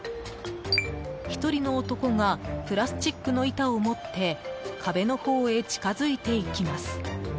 １人の男がプラスチックの板を持って壁の方へ近づいていきます。